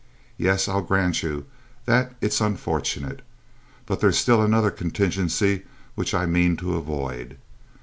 Yes, I'll grant you that it's unfortunate. But there's still another contingency which I mean to avoid.